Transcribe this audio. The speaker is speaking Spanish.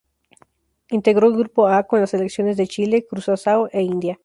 Integró el grupo A con las selecciones de Chile, Curazao e India.